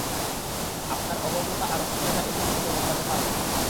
আপনার অভদ্রতা আর অশ্লীলতা এই সত্যকে বদলাতে পারবে না।